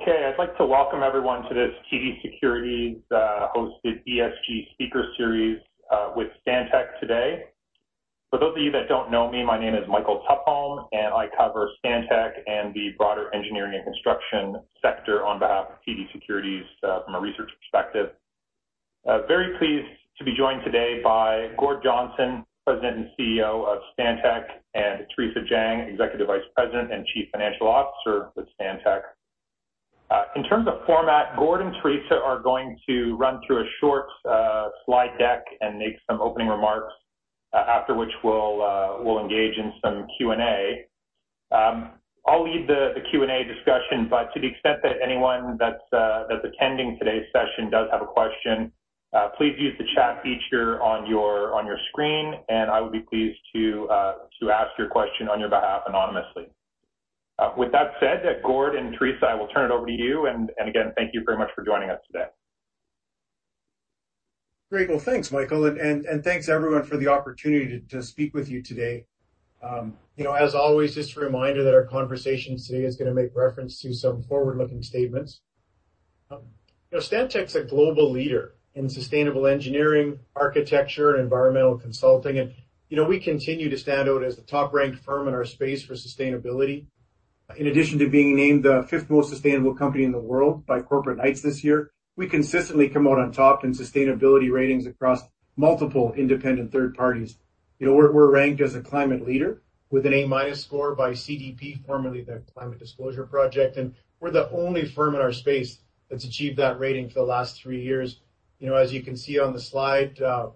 Okay. I'd like to welcome everyone to this TD Securities hosted ESG speaker series with Stantec today. For those of you that don't know me, my name is Michael Tupholme, and I cover Stantec and the broader engineering and construction sector on behalf of TD Securities from a research perspective. Very pleased to be joined today by Gord Johnston, President and CEO of Stantec, and Theresa Jang, Executive Vice President and Chief Financial Officer with Stantec. In terms of format, Gord and Theresa are going to run through a short slide deck and make some opening remarks, after which we'll engage in some Q&A. I'll lead the Q&A discussion, but to the extent that anyone that's attending today's session does have a question, please use the chat feature on your screen, and I would be pleased to ask your question on your behalf anonymously. With that said, Gord and Theresa, I will turn it over to you. Again, thank you very much for joining us today. Great. Well, thanks, Michael. Thanks, everyone, for the opportunity to speak with you today. You know, as always, just a reminder that our conversation today is gonna make reference to some forward-looking statements. You know, Stantec's a global leader in sustainable engineering, architecture, and environmental consulting. You know, we continue to stand out as the top-ranked firm in our space for sustainability. In addition to being named the fifth most sustainable company in the world by Corporate Knights this year, we consistently come out on top in sustainability ratings across multiple independent third parties. You know, we're ranked as a climate leader with an A- score by CDP, formerly the Carbon Disclosure Project, and we're the only firm in our space that's achieved that rating for the last three years. You know, as you can see on the slide, our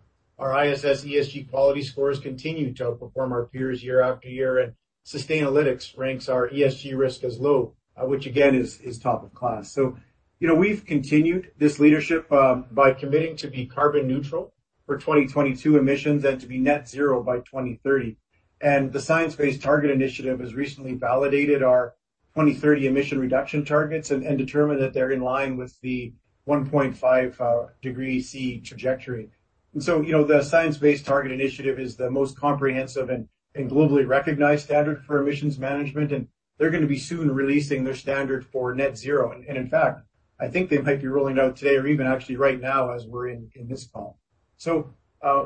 ISS ESG quality scores continue to outperform our peers year-after-year, and Sustainalytics ranks our ESG risk as low, which again is top of class. You know, we've continued this leadership by committing to be carbon neutral for 2022 emissions and to be net zero by 2030. The Science Based Targets initiative has recently validated our 2030 emission reduction targets and determined that they're in line with the 1.5 degrees Celsius trajectory. You know, the Science Based Targets initiative is the most comprehensive and globally recognized standard for emissions management, and they're gonna be soon releasing their standard for net zero. In fact, I think they might be rolling out today or even actually right now as we're in this call.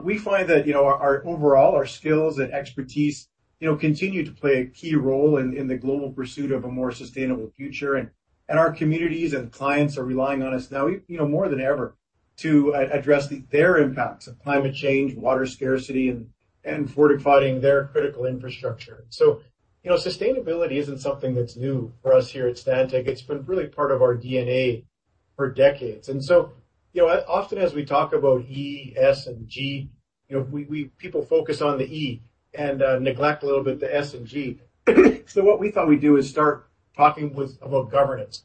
We find that, you know, overall, our skills and expertise, you know, continue to play a key role in the global pursuit of a more sustainable future. Our communities and clients are relying on us now, you know, more than ever to address their impacts of climate change, water scarcity, and fortifying their critical infrastructure. You know, sustainability isn't something that's new for us here at Stantec. It's been really part of our DNA for decades. You know, often as we talk about E, S, and G, you know, people focus on the E and neglect a little bit the S and G. What we thought we'd do is start talking about governance.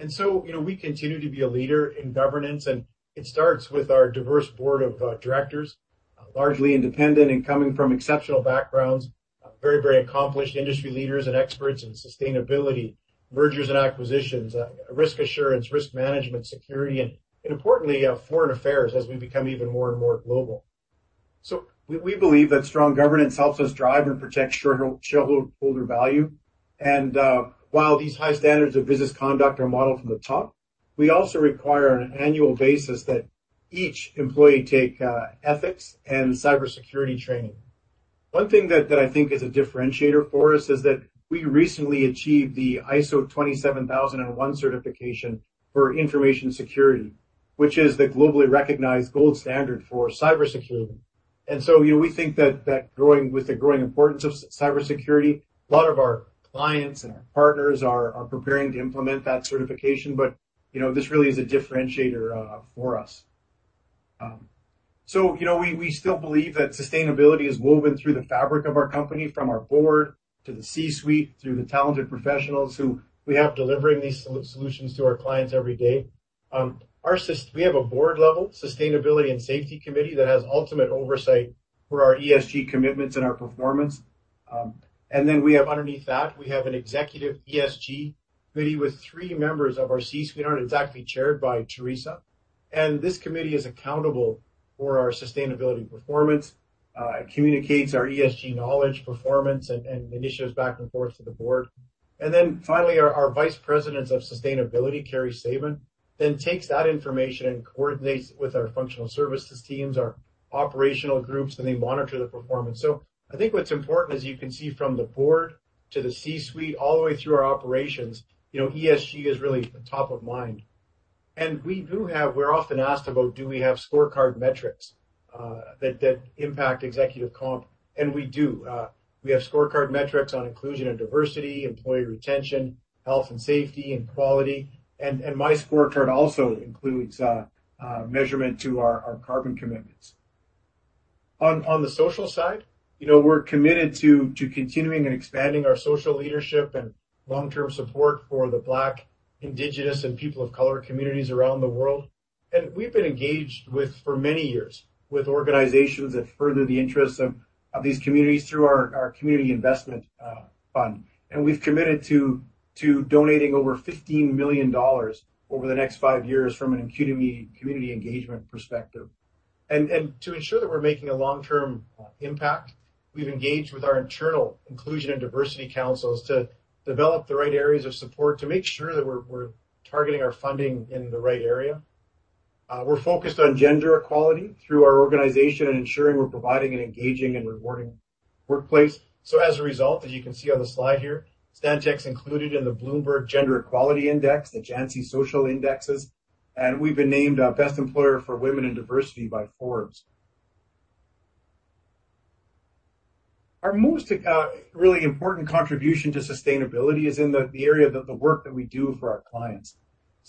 You know, we continue to be a leader in governance, and it starts with our diverse board of directors, largely independent and coming from exceptional backgrounds, very, very accomplished industry leaders and experts in sustainability, mergers and acquisitions, risk assurance, risk management, security, and importantly, foreign affairs as we become even more and more global. We believe that strong governance helps us drive and protect shareholder value. While these high standards of business conduct are modeled from the top, we also require on an annual basis that each employee take ethics and cybersecurity training. One thing that I think is a differentiator for us is that we recently achieved the ISO 27001 certification for information security, which is the globally recognized gold standard for cybersecurity. We think that with the growing importance of cybersecurity, a lot of our clients and our partners are preparing to implement that certification. This really is a differentiator for us. We still believe that sustainability is woven through the fabric of our company, from our board to the C-suite, through the talented professionals who we have delivering these solutions to our clients every day. We have a board-level sustainability and safety committee that has ultimate oversight for our ESG commitments and our performance. We have underneath that an executive ESG committee with three members of our C-suite on it, chaired by Theresa. This committee is accountable for our sustainability performance. It communicates our ESG knowledge, performance, and initiatives back and forth to the board. Finally, our Vice President of Sustainability, Carrie Sabin, takes that information and coordinates with our functional services teams, our operational groups, and they monitor the performance. I think what's important is you can see from the board to the C-suite, all the way through our operations, you know, ESG is really top of mind. We do have. We're often asked about do we have scorecard metrics that impact executive comp, and we do. We have scorecard metrics on inclusion and diversity, employee retention, health and safety, and quality. My scorecard also includes measurement to our carbon commitments. On the social side, you know, we're committed to continuing and expanding our social leadership and long-term support for the Black, Indigenous, and people of color communities around the world. We've been engaged with for many years with organizations that further the interests of these communities through our community investment fund. We've committed to donating over 15 million dollars over the next five years from a community engagement perspective. To ensure that we're making a long-term impact, we've engaged with our internal inclusion and diversity councils to develop the right areas of support to make sure that we're targeting our funding in the right area. We're focused on gender equality through our organization and ensuring we're providing an engaging and rewarding workplace. As a result, as you can see on the slide here, Stantec's included in the Bloomberg Gender-Equality Index, the Jantzi Social Index, and we've been named a Best Employer for Women in Diversity by Forbes. Our most really important contribution to sustainability is in the area of the work that we do for our clients.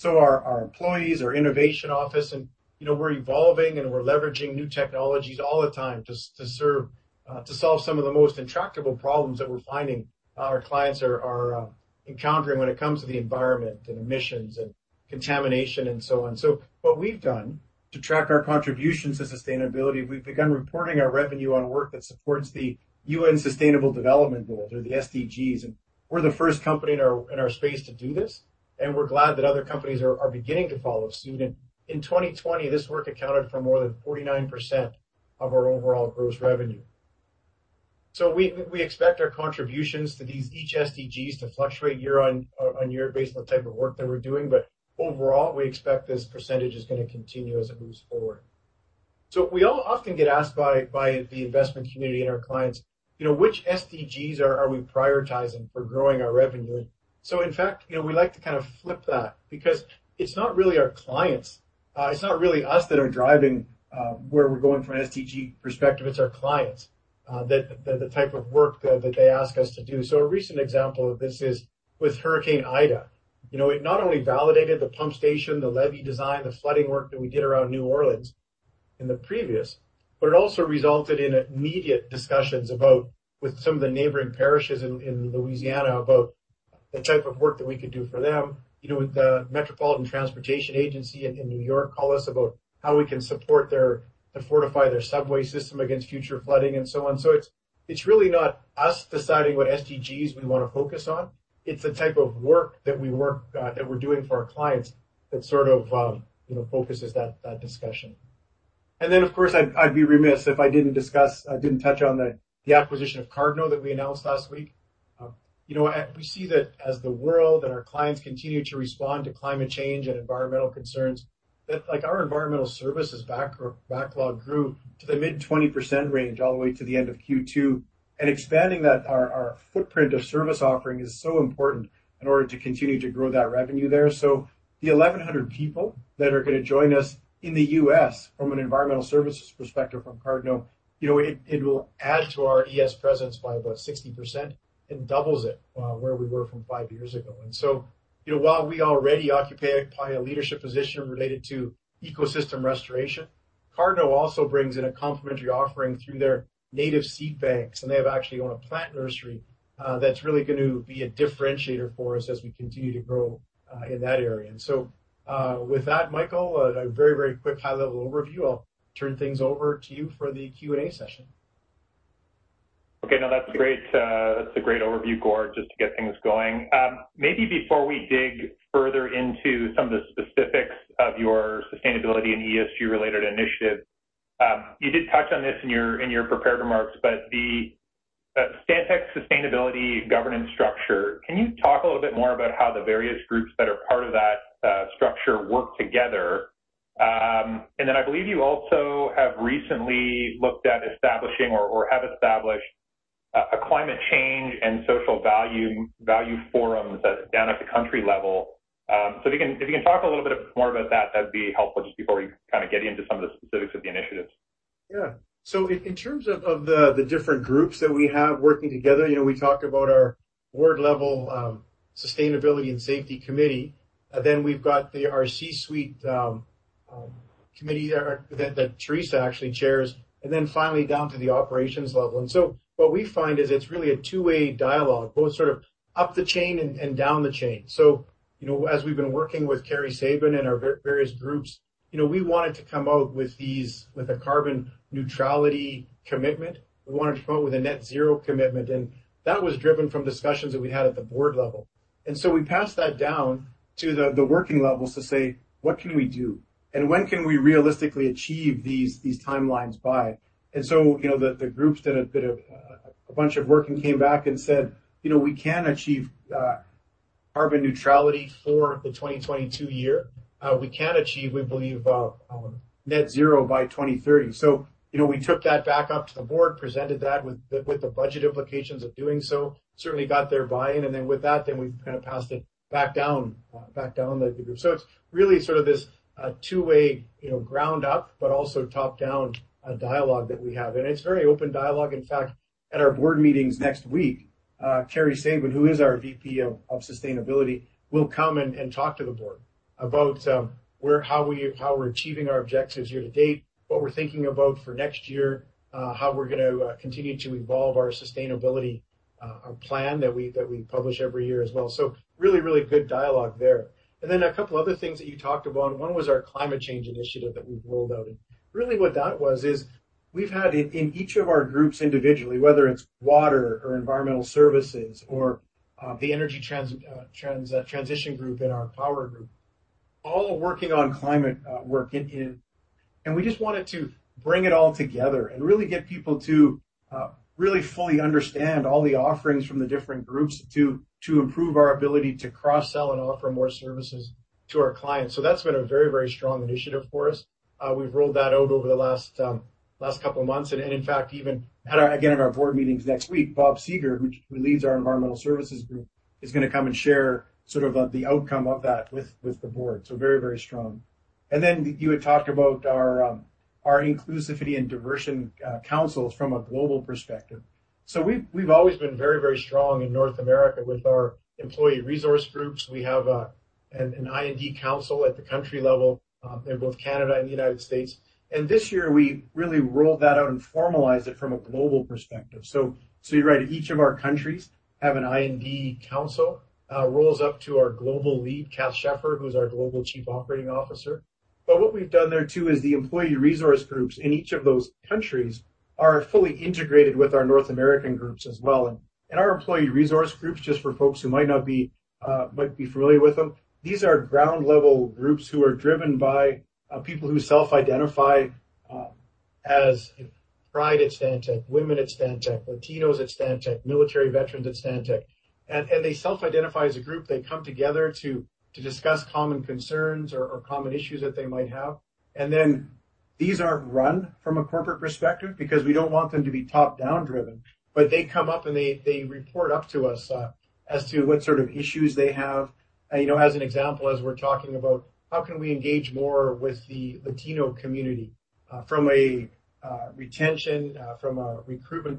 Our employees, our innovation office, and, you know, we're evolving and we're leveraging new technologies all the time to solve some of the most intractable problems that we're finding our clients are encountering when it comes to the environment and emissions and contamination and so on. What we've done to track our contributions to sustainability, we've begun reporting our revenue on work that supports the UN Sustainable Development Goals or the SDGs. We're the first company in our space to do this, and we're glad that other companies are beginning to follow suit. In 2020, this work accounted for more than 49% of our overall gross revenue. We expect our contributions to these each SDGs to fluctuate year-on-year based on the type of work that we're doing, but overall, we expect this percentage is gonna continue as it moves forward. We all often get asked by the investment community and our clients, you know, which SDGs are we prioritizing for growing our revenue? In fact, you know, we like to kind of flip that because it's not really our clients. It's not really us that are driving where we're going from an SDG perspective. It's our clients, the type of work that they ask us to do. A recent example of this is with Hurricane Ida. You know, it not only validated the pump station, the levee design, the flooding work that we did around New Orleans in the previous, but it also resulted in immediate discussions with some of the neighboring parishes in Louisiana about the type of work that we could do for them. You know, the Metropolitan Transportation Authority in New York called us about how we can support them to fortify their subway system against future flooding and so on. It's really not us deciding what SDGs we wanna focus on. It's the type of work that we're doing for our clients that sort of you know focuses that discussion. Then, of course, I'd be remiss if I didn't touch on the acquisition of Cardno that we announced last week. You know, we see that as the world and our clients continue to respond to climate change and environmental concerns, like, our environmental services backlog grew to the mid-20% range all the way to the end of Q2. Expanding that, our footprint of service offering is so important in order to continue to grow that revenue there. The 1,100 people that are gonna join us in the U.S. from an environmental services perspective from Cardno, you know, it will add to our ES presence by about 60% and doubles it where we were from five years ago. You know, while we already occupy a leadership position related to ecosystem restoration, Cardno also brings in a complementary offering through their native seed banks, and they actually own a plant nursery, that's really gonna be a differentiator for us as we continue to grow in that area. With that, Michael, a very, very quick high-level overview. I'll turn things over to you for the Q&A session. Okay. No, that's great. That's a great overview, Gord, just to get things going. Maybe before we dig further into some of the specifics of your sustainability and ESG-related initiatives, you did touch on this in your prepared remarks, but the Stantec sustainability governance structure, can you talk a little bit more about how the various groups that are part of that structure work together? And then I believe you also have recently looked at establishing or have established a climate change and social value forums at down at the country level. So if you can talk a little bit more about that'd be helpful just before we kind of get into some of the specifics of the initiatives. Yeah. In terms of the different groups that we have working together, you know, we talk about our board level sustainability and safety committee. We've got our C-suite committee that Theresa actually chairs, and then finally down to the operations level. What we find is it's really a two-way dialogue, both sort of up the chain and down the chain. You know, as we've been working with Carrie Sabin and our various groups, you know, we wanted to come out with a carbon neutrality commitment. We wanted to come out with a net zero commitment, and that was driven from discussions that we had at the board level. We passed that down to the working levels to say, "What can we do? When can we realistically achieve these timelines by? You know, the groups did a bit of a bunch of work and came back and said, "We can achieve carbon neutrality for the 2022 year. We can achieve, we believe, net zero by 2030." We took that back up to the board, presented that with the budget implications of doing so, certainly got their buy-in. With that, we kind of passed it back down the group. It's really sort of this two-way ground up, but also top-down dialogue that we have. It's very open dialogue. In fact, at our board meetings next week, Carrie Sabin, who is our VP of sustainability, will come and talk to the board about how we're achieving our objectives year to date, what we're thinking about for next year, how we're gonna continue to evolve our sustainability, our plan that we publish every year as well. Really good dialogue there. A couple other things that you talked about, and one was our climate change initiative that we've rolled out. Really what that was is we've had in each of our groups individually, whether it's Water or Environmental Services or the energy transition group and our Power group all working on climate work in. We just wanted to bring it all together and really get people to really fully understand all the offerings from the different groups to improve our ability to cross-sell and offer more services to our clients. That's been a very, very strong initiative for us. We've rolled that out over the last couple of months. In fact, even at our board meetings next week, Bob Seeger, who leads our Environmental Services group, is gonna come and share sort of the outcome of that with the board. Very, very strong. You had talked about our inclusion and diversity councils from a global perspective. We've always been very, very strong in North America with our employee resource groups. We have an I&D council at the country level in both Canada and the United States. This year, we really rolled that out and formalized it from a global perspective. You're right, each of our countries have an I&D council rolls up to our global lead, Cath Schefer, who's our global Chief Operating Officer. What we've done there too is the employee resource groups in each of those countries are fully integrated with our North American groups as well. Our employee resource groups, just for folks who might not be familiar with them, these are ground level groups who are driven by people who self-identify as Pride at Stantec, Women at Stantec, Latinos at Stantec, Military Veterans at Stantec. They self-identify as a group. They come together to discuss common concerns or common issues that they might have. These aren't run from a corporate perspective because we don't want them to be top-down driven, but they come up and they report up to us as to what sort of issues they have. You know, as an example, as we're talking about how can we engage more with the Latino community from a recruitment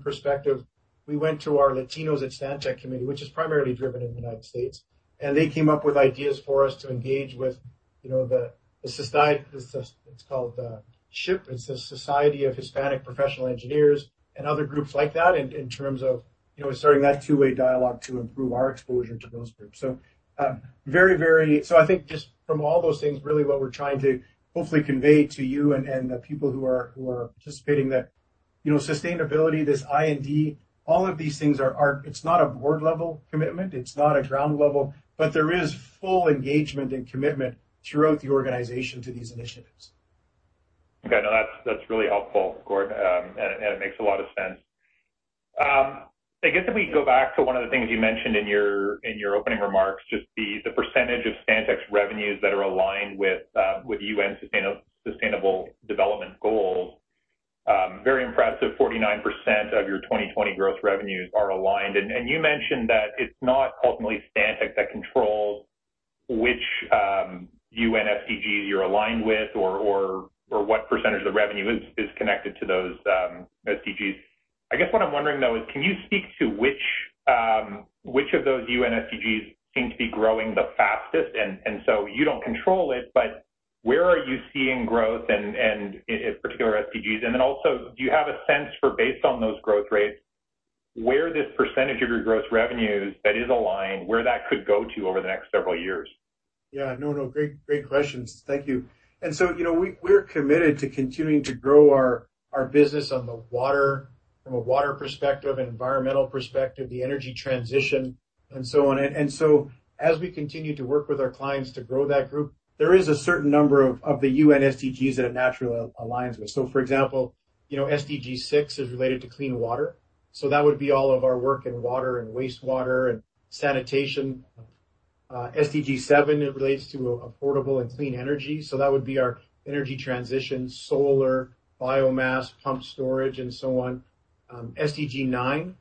perspective, we went to our Latinos at Stantec committee, which is primarily driven in the United States, and they came up with ideas for us to engage with, you know, SHPE. It's the Society of Hispanic Professional Engineers and other groups like that in terms of, you know, starting that two-way dialogue to improve our exposure to those groups. I think just from all those things, really what we're trying to hopefully convey to you and the people who are participating that, you know, sustainability, this I&D, all of these things are. It's not a board level commitment, it's not a ground level, but there is full engagement and commitment throughout the organization to these initiatives. Okay. No, that's really helpful, Gord. It makes a lot of sense. I guess if we go back to one of the things you mentioned in your opening remarks, just the percentage of Stantec's revenues that are aligned with UN Sustainable Development Goals, very impressive, 49% of your 2020 growth revenues are aligned. You mentioned that it's not ultimately Stantec that controls which UN SDGs you're aligned with or what percentage of revenue is connected to those SDGs. I guess what I'm wondering though is can you speak to which of those UN SDGs seem to be growing the fastest? You don't control it, but where are you seeing growth in particular SDGs? Do you have a sense for based on those growth rates, where this percentage of your gross revenues that is aligned, where that could go to over the next several years? Yeah. No, no. Great questions. Thank you. You know, we're committed to continuing to grow our business on the water, from a water perspective, environmental perspective, the energy transition and so on. As we continue to work with our clients to grow that group, there is a certain number of the UN SDGs that it naturally aligns with. For example, you know, SDG 6 is related to clean water, so that would be all of our work in water and wastewater and sanitation. SDG 7 relates to affordable and clean energy, so that would be our energy transition, solar, biomass, pump storage and so on. SDG 9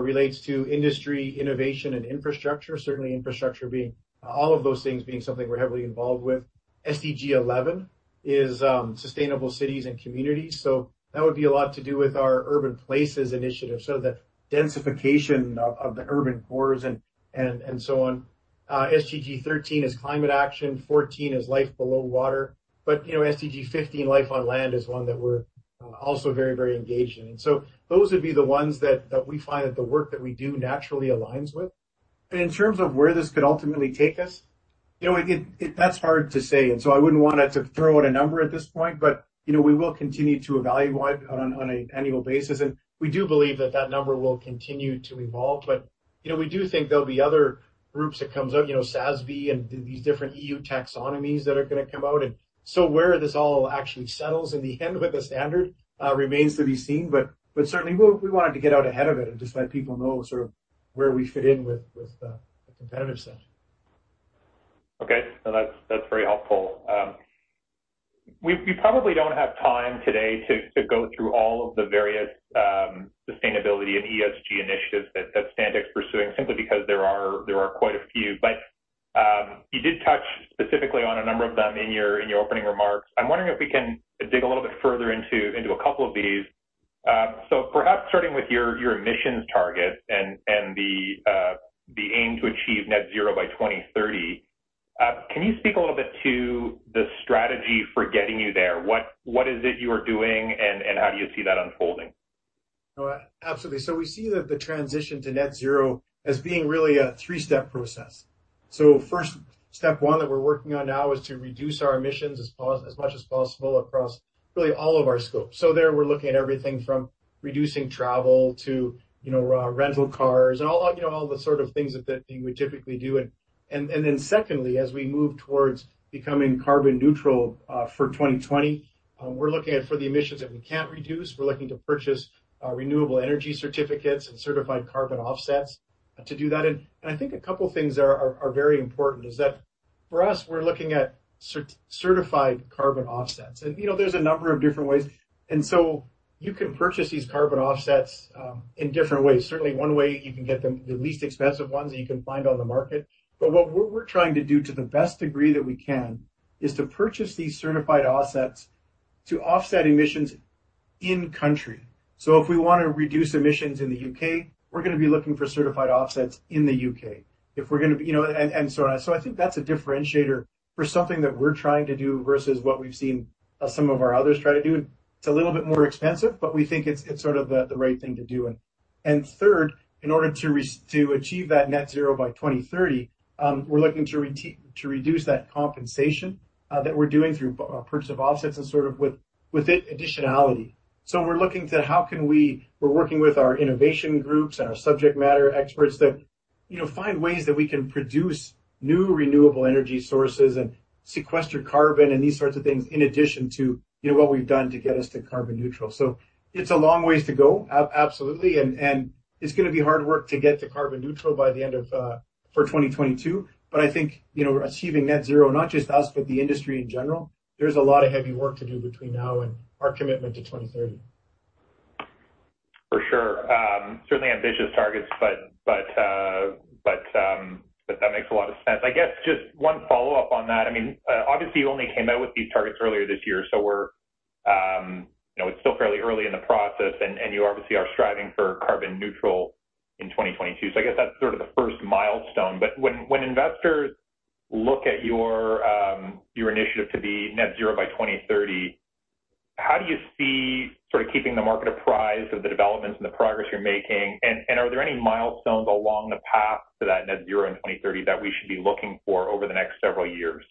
relates to industry, innovation and infrastructure. Certainly infrastructure being all of those things being something we're heavily involved with. SDG 11 is sustainable cities and communities, so that would be a lot to do with our urban places initiative. The densification of the urban cores and so on. SDG 13 is Climate Action, 14 is Life Below Water. You know, SDG 15, Life on Land, is one that we're also very engaged in. Those would be the ones that we find that the work that we do naturally aligns with. In terms of where this could ultimately take us, you know, it, that's hard to say. I wouldn't want to throw out a number at this point. You know, we will continue to evaluate on an annual basis. We do believe that that number will continue to evolve. You know, we do think there'll be other groups that comes out, you know, SASB and these different EU Taxonomies that are gonna come out. Where this all actually settles in the end with the standard remains to be seen. Certainly we wanted to get out ahead of it and just let people know sort of where we fit in with the competitive set. Okay. No, that's very helpful. We probably don't have time today to go through all of the various sustainability and ESG initiatives that Stantec's pursuing simply because there are quite a few. You did touch specifically on a number of them in your opening remarks. I'm wondering if we can dig a little bit further into a couple of these. Perhaps starting with your emissions target and the aim to achieve net zero by 2030. Can you speak a little bit to the strategy for getting you there? What is it you are doing and how do you see that unfolding? All right. Absolutely. We see the transition to net zero as being really a three-step process. First step one that we're working on now is to reduce our emissions as much as possible across really all of our scopes. We're looking at everything from reducing travel to, you know, rental cars and all, you know, all the sort of things that we typically do. Then secondly, as we move towards becoming carbon neutral for 2020, we're looking at, for the emissions that we can't reduce, we're looking to purchase renewable energy certificates and certified carbon offsets to do that. I think a couple things are very important is that for us, we're looking at certified carbon offsets. You know, there's a number of different ways. You can purchase these carbon offsets in different ways. Certainly, one way you can get them, the least expensive ones that you can find on the market. What we're trying to do, to the best degree that we can, is to purchase these certified offsets to offset emissions in-country. If we wanna reduce emissions in the U.K., we're gonna be looking for certified offsets in the U.K. If we're gonna, you know, and so on. I think that's a differentiator for something that we're trying to do versus what we've seen some of our others try to do. It's a little bit more expensive, but we think it's sort of the right thing to do. Third, in order to achieve that net zero by 2030, we're looking to reduce that compensation that we're doing through purchase of offsets and sort of with additionality. We're working with our innovation groups and our subject matter experts that, you know, find ways that we can produce new renewable energy sources and sequester carbon and these sorts of things in addition to, you know, what we've done to get us to carbon neutral. So it's a long ways to go, absolutely. It's gonna be hard work to get to carbon neutral by the end of, for 2022. I think, you know, achieving net zero, not just us, but the industry in general, there's a lot of heavy work to do between now and our commitment to 2030. For sure. Certainly ambitious targets, but that makes a lot of sense. I guess just one follow-up on that. I mean, obviously you only came out with these targets earlier this year, so you know, it's still fairly early in the process, and you obviously are striving for carbon neutral in 2022. I guess that's sort of the first milestone. When investors look at your initiative to be net zero by 2030, how do you see sort of keeping the market apprised of the developments and the progress you're making? Are there any milestones along the path to that net zero in 2030 that we should be looking for over the next several years?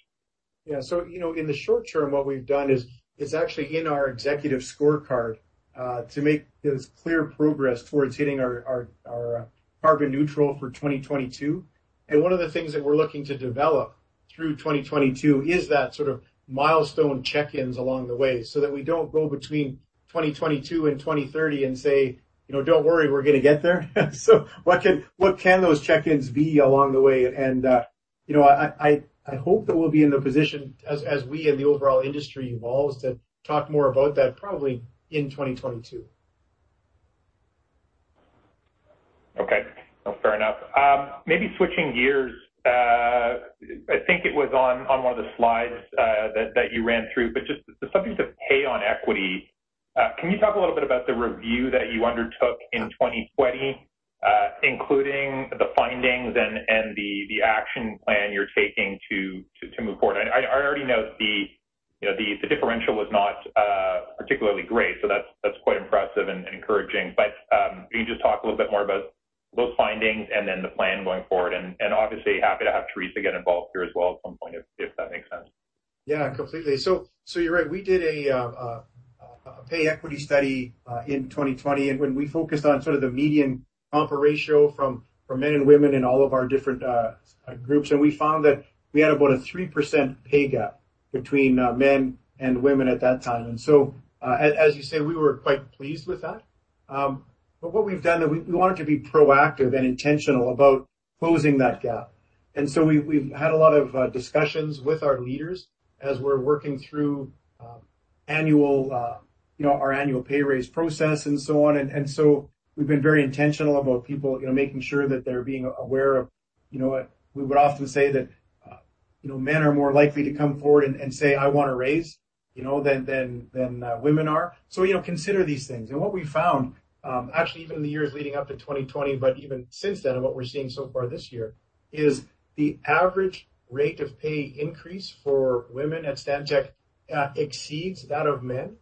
Yeah. You know, in the short term, what we've done is, it's actually in our executive scorecard to make those clear progress towards hitting our carbon neutral for 2022. One of the things that we're looking to develop through 2022 is that sort of milestone check-ins along the way, so that we don't go between 2022 and 2030 and say, "You know, don't worry, we're gonna get there." What can those check-ins be along the way? You know, I hope that we'll be in the position as we and the overall industry evolves, to talk more about that probably in 2022. Okay. Well, fair enough. Maybe switching gears, I think it was on one of the slides that you ran through, but just the subject of pay equity. Can you talk a little bit about the review that you undertook in 2020, including the findings and the action plan you're taking to move forward? I already know you know, the differential was not particularly great, so that's quite impressive and encouraging. Can you just talk a little bit more about those findings and then the plan going forward? Obviously happy to have Theresa get involved here as well at some point if that makes sense. Yeah, completely. You're right, we did a pay equity study in 2020, and when we focused on sort of the median comp ratio from men and women in all of our different groups, and we found that we had about a 3% pay gap between men and women at that time. As you say, we were quite pleased with that. What we've done that we wanted to be proactive and intentional about closing that gap. We've had a lot of discussions with our leaders as we're working through annual, you know, our annual pay raise process and so on. We've been very intentional about people, you know, making sure that they're being aware of, you know, we would often say that, you know, men are more likely to come forward and say, "I want a raise," you know, than women are. You know, consider these things. What we found, actually even in the years leading up to 2020, but even since then and what we're seeing so far this year, is the average rate of pay increase for women at Stantec exceeds that of men.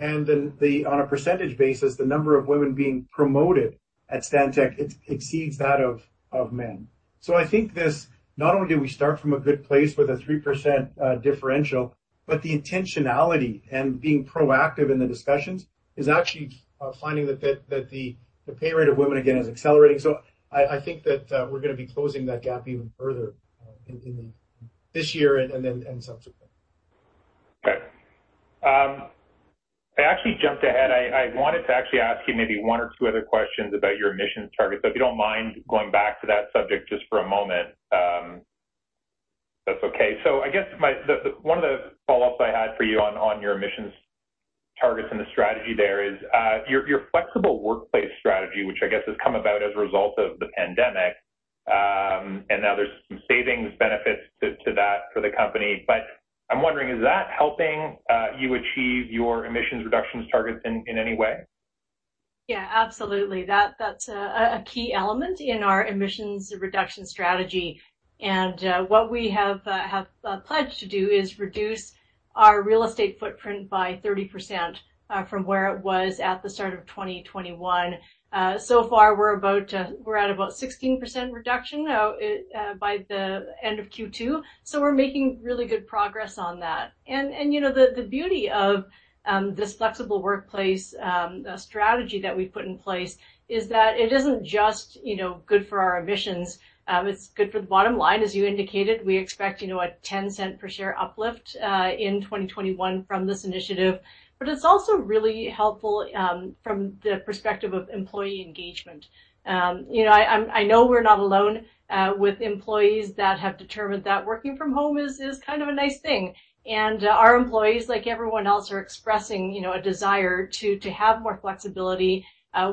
Then, on a percentage basis, the number of women being promoted at Stantec exceeds that of men. I think this, not only do we start from a good place with a 3% differential, but the intentionality and being proactive in the discussions is actually finding that the pay rate of women, again, is accelerating. I think that we're gonna be closing that gap even further in this year and subsequent. Okay. I actually jumped ahead. I wanted to actually ask you maybe one or two other questions about your emissions targets. If you don't mind going back to that subject just for a moment, if that's okay. I guess one of the follow-ups I had for you on your emissions targets and the strategy there is your flexible workplace strategy, which I guess has come about as a result of the pandemic, and now there's some savings benefits to that for the company. I'm wondering, is that helping you achieve your emissions reductions targets in any way? Yeah, absolutely. That's a key element in our emissions reduction strategy. What we have pledged to do is reduce our real estate footprint by 30%, from where it was at the start of 2021. So far, we're at about 16% reduction by the end of Q2. We're making really good progress on that. You know, the beauty of this flexible workplace strategy that we've put in place is that it isn't just good for our emissions, it's good for the bottom line. As you indicated, we expect a 0.10 per share uplift in 2021 from this initiative. It's also really helpful from the perspective of employee engagement. You know, I know we're not alone with employees that have determined that working from home is kind of a nice thing. Our employees, like everyone else, are expressing, you know, a desire to have more flexibility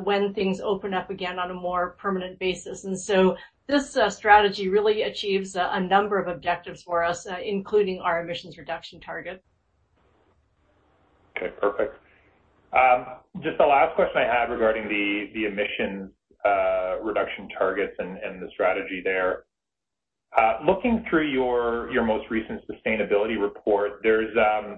when things open up again on a more permanent basis. This strategy really achieves a number of objectives for us, including our emissions reduction target. Okay, perfect. Just the last question I had regarding the emissions reduction targets and the strategy there. Looking through your most recent sustainability report, there's a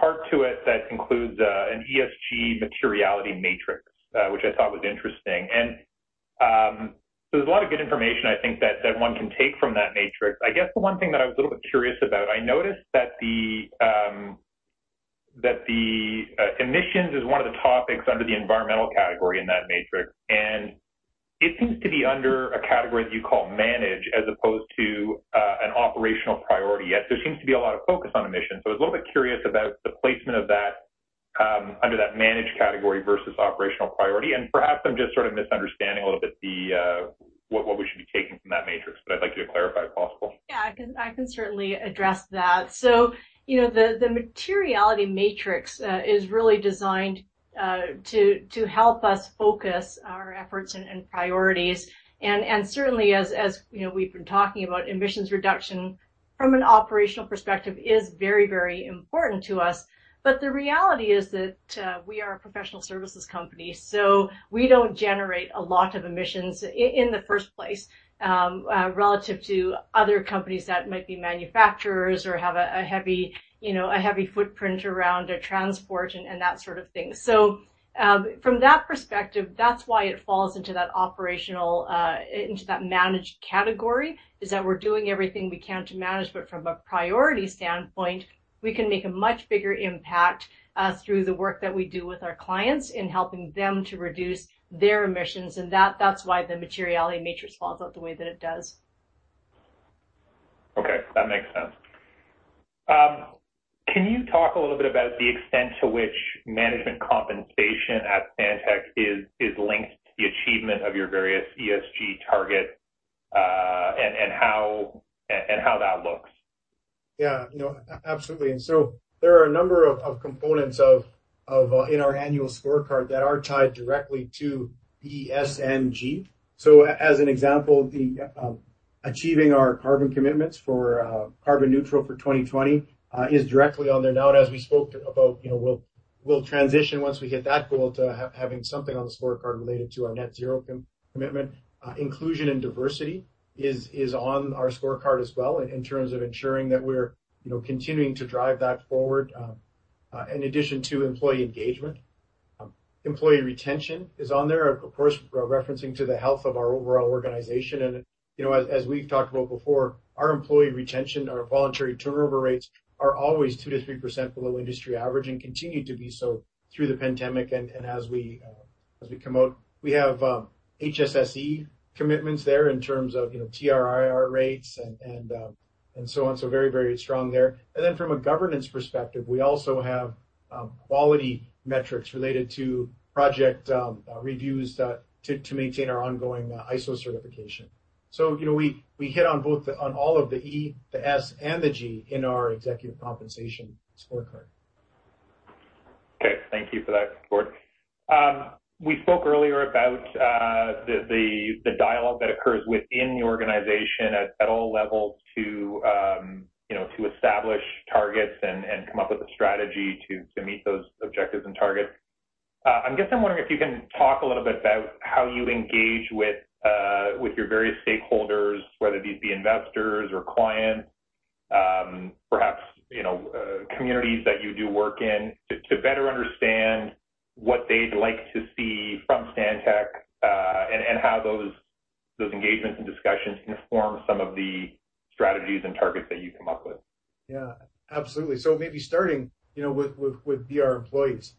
part to it that includes an ESG materiality matrix, which I thought was interesting. There's a lot of good information I think that one can take from that matrix. I guess the one thing that I was a little bit curious about, I noticed that the emissions is one of the topics under the environmental category in that matrix, and it seems to be under a category that you call manage as opposed to an operational priority, yet there seems to be a lot of focus on emissions. I was a little bit curious about the placement of that, under that manage category versus operational priority. Perhaps I'm just sort of misunderstanding a little bit what we should be taking from that matrix, but I'd like you to clarify if possible. Yeah. I can certainly address that. You know, the materiality matrix is really designed to help us focus our efforts and priorities. Certainly as you know, we've been talking about emissions reduction from an operational perspective is very important to us. The reality is that we are a professional services company, so we don't generate a lot of emissions in the first place relative to other companies that might be manufacturers or have a heavy footprint around transport and that sort of thing. From that perspective, that's why it falls into that operational into that manage category, is that we're doing everything we can to manage. From a priority standpoint, we can make a much bigger impact through the work that we do with our clients in helping them to reduce their emissions, and that's why the materiality matrix falls out the way that it does. Okay, that makes sense. Can you talk a little bit about the extent to which management compensation at Stantec is linked to the achievement of your various ESG targets, and how that looks? Yeah. No, absolutely. There are a number of components in our annual scorecard that are tied directly to the S and G. As an example, achieving our carbon commitments for carbon neutral for 2020 is directly on there. As we spoke about, you know, we will transition once we hit that goal to having something on the scorecard related to our net zero commitment. Inclusion and diversity is on our scorecard as well in terms of ensuring that we're, you know, continuing to drive that forward, in addition to employee engagement. Employee retention is on there, of course, referencing to the health of our overall organization. You know, as we've talked about before, our employee retention, our voluntary turnover rates are always 2%-3% below industry average and continue to be so through the pandemic and as we come out. We have HSSE commitments there in terms of, you know, TRIR rates and so on. So very, very strong there. From a governance perspective, we also have quality metrics related to project reviews to maintain our ongoing ISO certification. You know, we hit on all of the E, the S, and the G in our executive compensation scorecard. Okay. Thank you for that, Gord. We spoke earlier about the dialogue that occurs within the organization at all levels to, you know, to establish targets and come up with a strategy to meet those objectives and targets. I guess I'm wondering if you can talk a little bit about how you engage with your various stakeholders, whether these be investors or clients, perhaps, you know, communities that you do work in, to better understand what they'd like to see from Stantec, and how those engagements and discussions inform some of the strategies and targets that you come up with. Yeah. Absolutely. Maybe starting, you know, with our employees.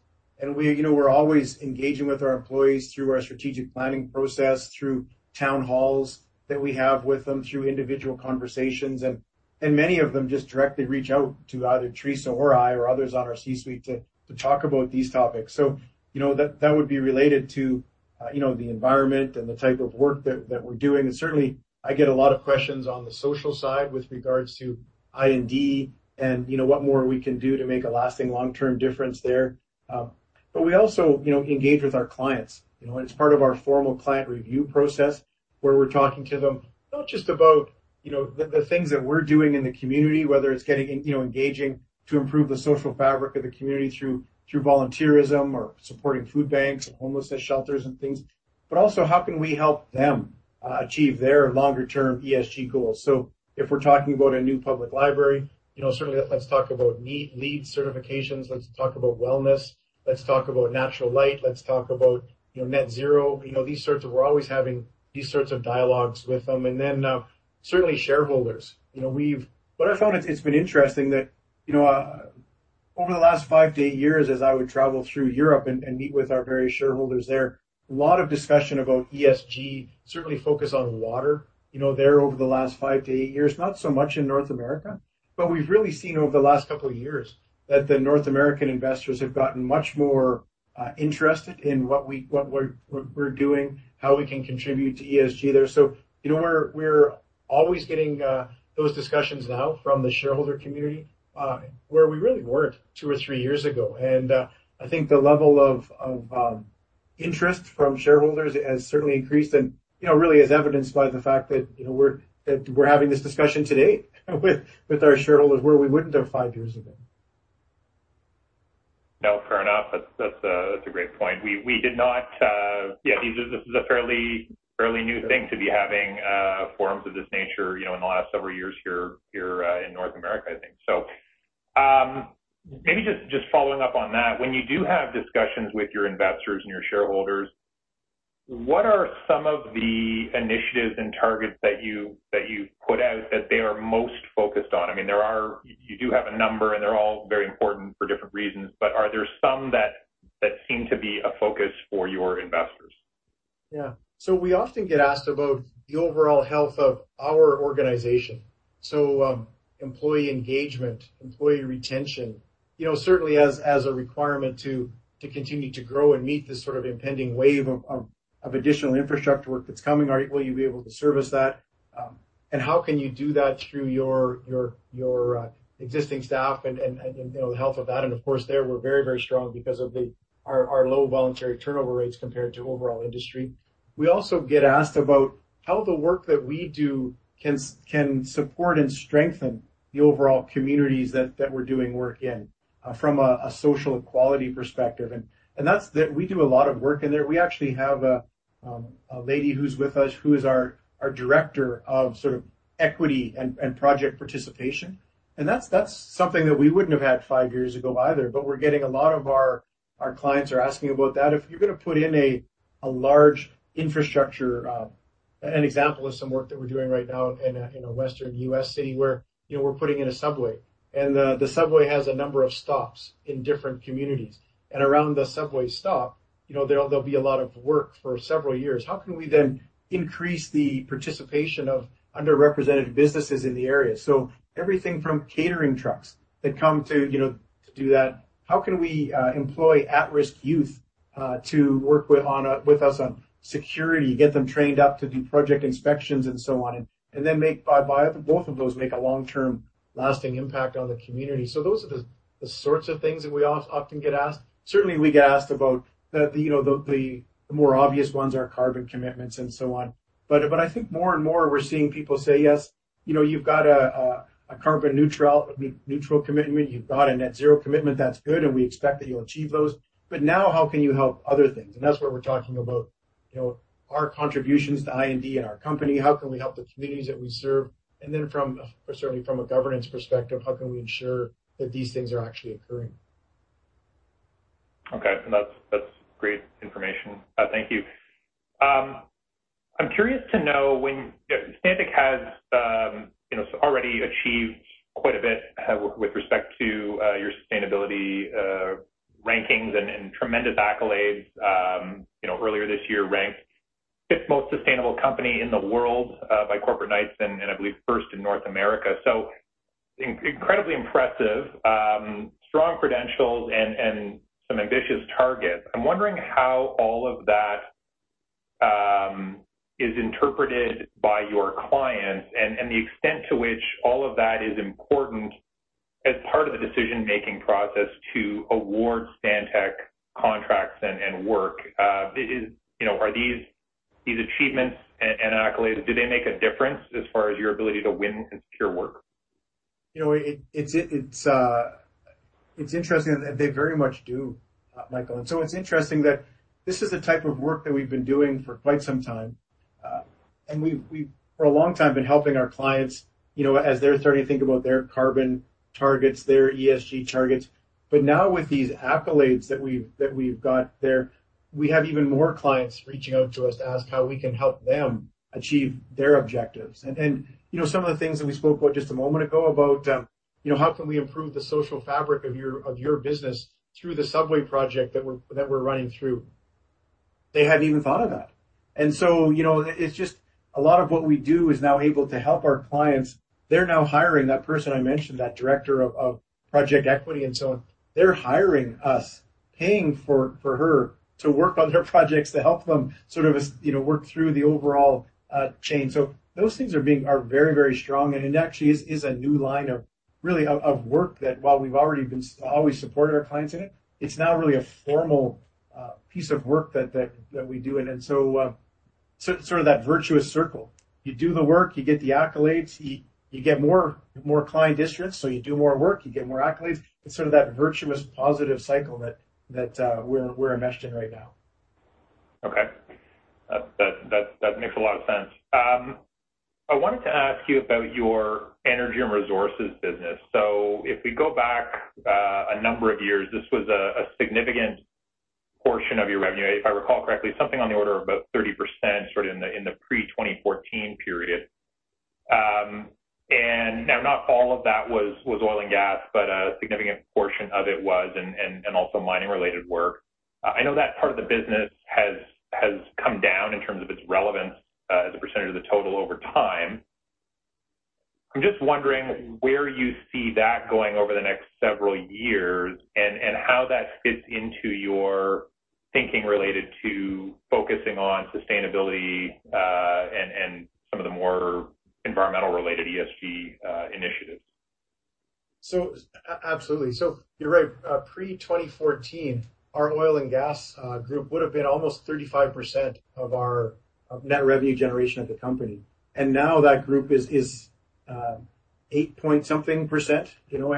We, you know, we're always engaging with our employees through our strategic planning process, through town halls that we have with them, through individual conversations. Many of them just directly reach out to either Theresa or I or others on our C-suite to talk about these topics. You know, that would be related to, you know, the environment and the type of work that we're doing. Certainly, I get a lot of questions on the social side with regards to I&D and, you know, what more we can do to make a lasting long-term difference there. We also, you know, engage with our clients, you know, and it's part of our formal client review process, where we're talking to them, not just about, you know, the things that we're doing in the community, whether it's getting, you know, engaging to improve the social fabric of the community through volunteerism or supporting food banks and homelessness shelters and things, but also how can we help them achieve their longer-term ESG goals. If we're talking about a new public library, you know, certainly let's talk about LEED certifications, let's talk about wellness, let's talk about natural light, let's talk about, you know, net zero. You know, these sorts of. We're always having these sorts of dialogues with them. Certainly shareholders. I found it's been interesting that, you know, over the last five-eight years as I would travel through Europe and meet with our various shareholders there, a lot of discussion about ESG, certainly focused on water, you know, there over the last five-eight years, not so much in North America. We've really seen over the last couple of years that the North American investors have gotten much more interested in what we're doing, how we can contribute to ESG there. You know, we're always getting those discussions now from the shareholder community, where we really weren't two or three years ago. I think the level of interest from shareholders has certainly increased, you know, really as evidenced by the fact that, you know, we're having this discussion today with our shareholders, where we wouldn't have five years ago. No, fair enough. That's a great point. We did not, yeah, this is a fairly new thing to be having forums of this nature, you know, in the last several years here in North America, I think. Maybe just following up on that. When you do have discussions with your investors and your shareholders, what are some of the initiatives and targets that you put out that they are most focused on? I mean, there are. You do have a number, and they're all very important for different reasons, but are there some that seem to be a focus for your investors? Yeah. We often get asked about the overall health of our organization. Employee engagement, employee retention. You know, certainly as a requirement to continue to grow and meet this sort of impending wave of additional infrastructure work that's coming, will you be able to service that? And how can you do that through your existing staff and you know, the health of that? Of course there, we're very strong because of our low voluntary turnover rates compared to overall industry. We also get asked about how the work that we do can support and strengthen the overall communities that we're doing work in from a social equality perspective. We do a lot of work in there. We actually have a lady who's with us, who is our director of equity and project participation. That's something that we wouldn't have had five years ago either, but we're getting a lot of our clients are asking about that. If you're gonna put in a large infrastructure. An example of some work that we're doing right now in a Western U.S. city where, you know, we're putting in a subway, and the subway has a number of stops in different communities. Around the subway stop, you know, there'll be a lot of work for several years. How can we then increase the participation of underrepresented businesses in the area? Everything from catering trucks that come to, you know, to do that. How can we employ at-risk youth to work with us on security, get them trained up to do project inspections and so on? Then, by and by, both of those make a long-term lasting impact on the community. Those are the sorts of things that we often get asked. Certainly we get asked about the more obvious ones, carbon commitments and so on. But I think more and more we're seeing people say, "Yes, you know, you've got a carbon neutral commitment. You've got a net zero commitment. That's good, and we expect that you'll achieve those. But now how can you help other things?" That's where we're talking about, you know, our contributions to I&D and our company, how can we help the communities that we serve? Certainly from a governance perspective, how can we ensure that these things are actually occurring? Okay. That's great information. Thank you. I'm curious to know when Stantec has you know already achieved quite a bit with respect to your sustainability rankings and tremendous accolades you know earlier this year ranked fifth most sustainable company in the world by Corporate Knights and I believe first in North America. Incredibly impressive strong credentials and some ambitious targets. I'm wondering how all of that is interpreted by your clients and the extent to which all of that is important as part of the decision-making process to award Stantec contracts and work. You know, are these achievements and accolades, do they make a difference as far as your ability to win and secure work? You know, it's interesting. They very much do, Michael. It's interesting that this is the type of work that we've been doing for quite some time. We've for a long time been helping our clients, you know, as they're starting to think about their carbon targets, their ESG targets. Now with these accolades that we've got there, we have even more clients reaching out to us to ask how we can help them achieve their objectives. You know, some of the things that we spoke about just a moment ago about, you know, how can we improve the social fabric of your business through the subway project that we're running through, they hadn't even thought of that. You know, it's just a lot of what we do is now able to help our clients. They're now hiring that person I mentioned, that director of project equity and so on. They're hiring us, paying for her to work on their projects to help them sort of as, you know, work through the overall chain. Those things are very, very strong and it actually is a new line of work that while we've already always supported our clients in it's now really a formal piece of work that we do. Sort of that virtuous circle. You do the work, you get the accolades, you get more client districts. You do more work, you get more accolades. It's sort of that virtuous, positive cycle that we're enmeshed in right now. Okay. That makes a lot of sense. I wanted to ask you about your energy and resources business. If we go back a number of years, this was a significant portion of your revenue. If I recall correctly, something on the order of about 30% sort of in the pre-2014 period. Now not all of that was oil and gas, but a significant portion of it was and also mining-related work. I know that part of the business has come down in terms of its relevance as a percentage of the total over time. I'm just wondering where you see that going over the next several years and how that fits into your thinking related to focusing on sustainability and some of the more environmental related ESG initiatives. Absolutely. You're right. Pre-2014, our oil and gas group would have been almost 35% of our net revenue generation of the company. Now that group is 8.something%, you know.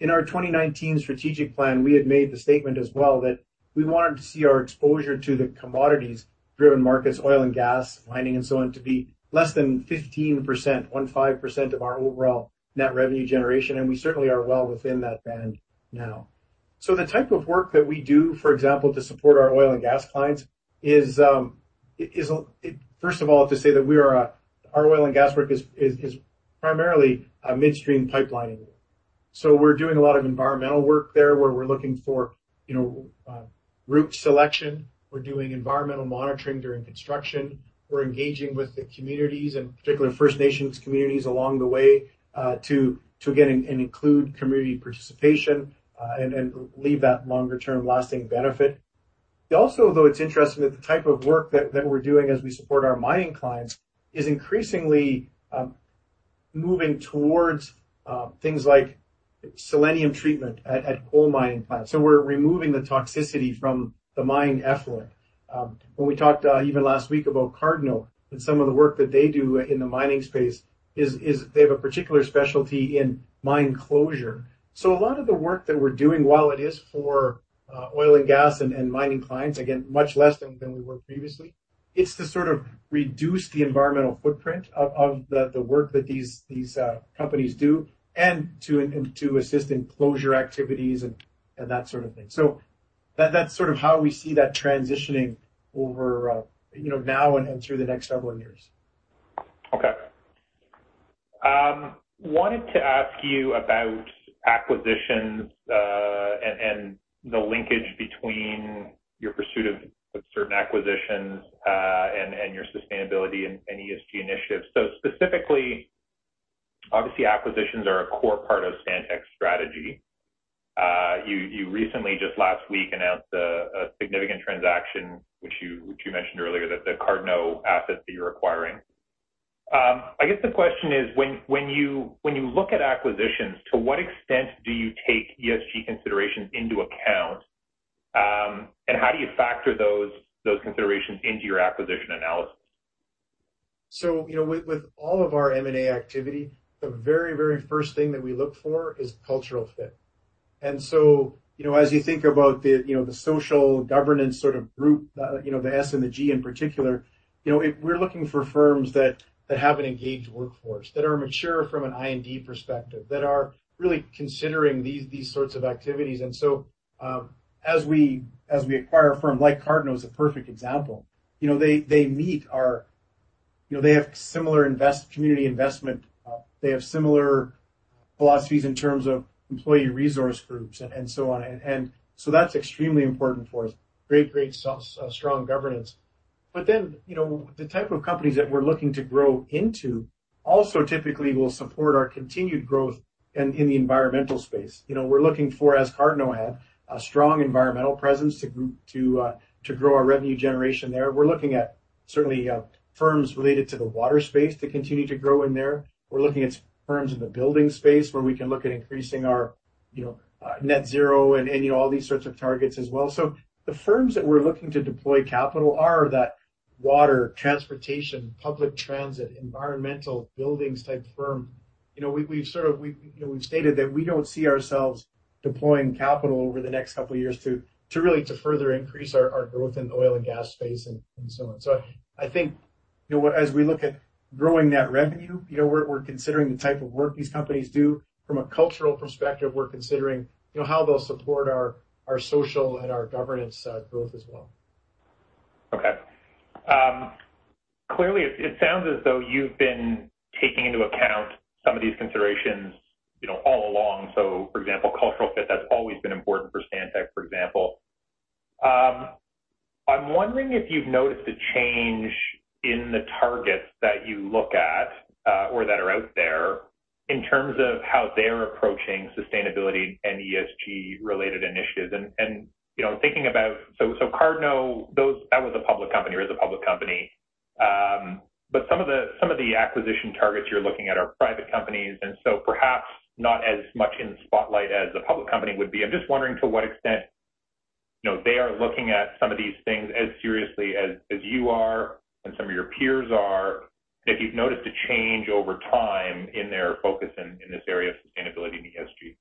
In our 2019 strategic plan, we had made the statement as well that we wanted to see our exposure to the commodities-driven markets, oil and gas, mining and so on to be less than 15%, 15% of our overall net revenue generation. We certainly are well within that band now. The type of work that we do, for example, to support our oil and gas clients is primarily midstream pipelining. First of all, our oil and gas work is primarily midstream pipelining. We're doing a lot of environmental work there, where we're looking for route selection. We're doing environmental monitoring during construction. We're engaging with the communities and particularly First Nations communities along the way to get in and include community participation and leave that longer term lasting benefit. Also, though, it's interesting that the type of work that we're doing as we support our mining clients is increasingly moving towards things like selenium treatment at coal mining plants. We're removing the toxicity from the mine effluent. When we talked even last week about Cardno and some of the work that they do in the mining space is they have a particular specialty in mine closure. A lot of the work that we're doing while it is for oil and gas and mining clients, again, much less than we were previously. It's to sort of reduce the environmental footprint of the work that these companies do and to assist in closure activities and that sort of thing. That's sort of how we see that transitioning over, you know, now and through the next several years. Okay. Wanted to ask you about acquisitions, and the linkage between your pursuit of certain acquisitions, and your sustainability and ESG initiatives. Specifically, obviously acquisitions are a core part of Stantec's strategy. You recently just last week announced a significant transaction, which you mentioned earlier, that the Cardno asset that you're acquiring. I guess the question is, when you look at acquisitions, to what extent do you take ESG considerations into account? And how do you factor those considerations into your acquisition analysis? You know, with all of our M&A activity, the very first thing that we look for is cultural fit. You know, as you think about the social governance sort of group, you know, the S and the G in particular, you know, we're looking for firms that have an engaged workforce, that are mature from an I&D perspective, that are really considering these sorts of activities. As we acquire a firm, like Cardno is a perfect example, you know, they meet our. You know, they have similar investment. Community investment. They have similar philosophies in terms of employee resource groups and so on. And so that's extremely important for us. Great, strong governance. You know, the type of companies that we're looking to grow into also typically will support our continued growth in the environmental space. You know, we're looking for, as Cardno had, a strong environmental presence to grow our revenue generation there. We're looking at certainly, firms related to the water space to continue to grow in there. We're looking at firms in the building space where we can look at increasing our, you know, net zero and, you know, all these sorts of targets as well. The firms that we're looking to deploy capital are that water, transportation, public transit, environmental buildings type firm. You know, we've sort of We've stated that we don't see ourselves deploying capital over the next couple of years to further increase our growth in oil and gas space and so on. I think, you know, as we look at growing that revenue, you know, we're considering the type of work these companies do. From a cultural perspective, we're considering, you know, how they'll support our social and our governance growth as well. Okay. Clearly it sounds as though you've been taking into account some of these considerations, you know, all along. For example, cultural fit, that's always been important for Stantec, for example. I'm wondering if you've noticed a change in the targets that you look at, or that are out there in terms of how they're approaching sustainability and ESG related initiatives. You know, thinking about Cardno, that was a public company or is a public company. But some of the acquisition targets you're looking at are private companies, and so perhaps not as much in the spotlight as a public company would be. I'm just wondering to what extent, you know, they are looking at some of these things as seriously as you are and some of your peers are, and if you've noticed a change over time in their focus in this area of sustainability and ESG.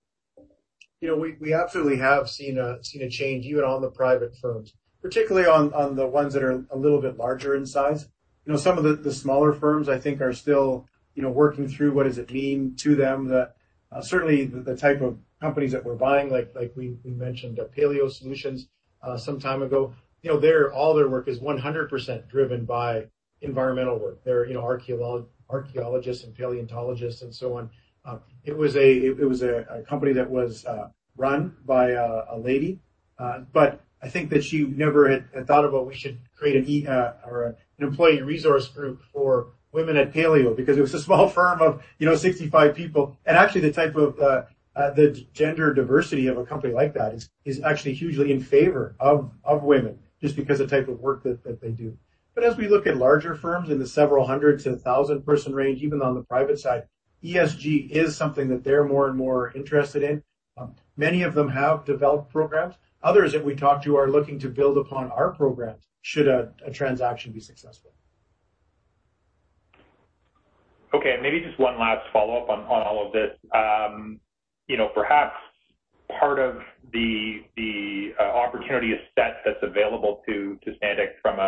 You know, we absolutely have seen a change even on the private firms, particularly on the ones that are a little bit larger in size. You know, some of the smaller firms I think are still you know working through what does it mean to them. Certainly the type of companies that we're buying, like we mentioned at Paleo Solutions some time ago, you know, all their work is 100% driven by environmental work. They're you know archaeologists and paleontologists and so on. It was a company that was run by a lady. I think that she never had thought about we should create an employee resource group for women at Paleo because it was a small firm of, you know, 65 people. Actually the type of the gender diversity of a company like that is actually hugely in favor of women, just because the type of work that they do. As we look at larger firms in the several hundred to 1,000 person range, even on the private side, ESG is something that they're more and more interested in. Many of them have developed programs. Others that we talked to are looking to build upon our programs should a transaction be successful. Okay, maybe just one last follow-up on all of this. You know, perhaps part of the opportunity set that's available to Stantec from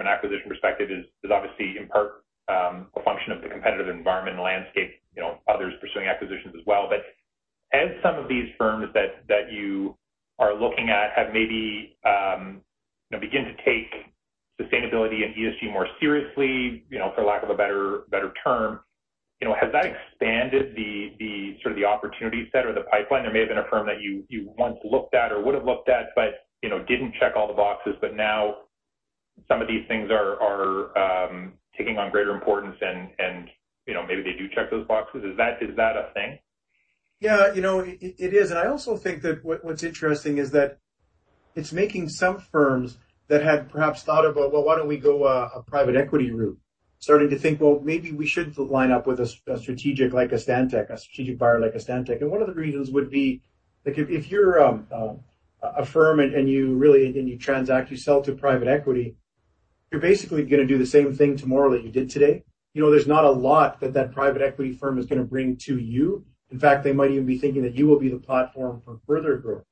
an acquisition perspective is obviously in part a function of the competitive environment and landscape, you know, others pursuing acquisitions as well. As some of these firms that you are looking at have maybe, you know, begin to take sustainability and ESG more seriously, you know, for lack of a better term, you know, has that expanded the sort of the opportunity set or the pipeline? There may have been a firm that you once looked at or would have looked at, but, you know, didn't check all the boxes, but now some of these things are taking on greater importance and, you know, maybe they do check those boxes. Is that a thing? Yeah, you know, it is. I also think that what's interesting is that it's making some firms that had perhaps thought about, well, why don't we go a private equity route, starting to think, well, maybe we should line up with a strategic like a Stantec, a strategic buyer like a Stantec. One of the reasons would be like if you're a firm and you really and you transact, you sell to private equity, you're basically gonna do the same thing tomorrow that you did today. You know, there's not a lot that private equity firm is gonna bring to you. In fact, they might even be thinking that you will be the platform for further growth.